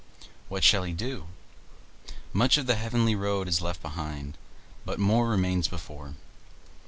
What shall he do? Much of the heavenly road is left behind, but more remains before.